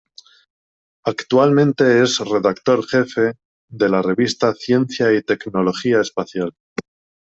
Actualmente es redactor jefe de la revista "Ciencia y Tecnología Espacial".